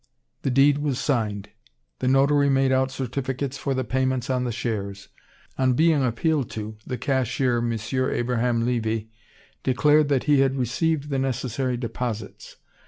The deed was signed. The notary made out certificates for the payments on the shares. On being appealed to, the cashier, M. Abraham Levy, declared that he had received the necessary deposits.